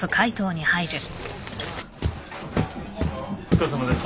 お疲れさまです。